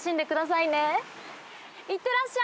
いってらっしゃい。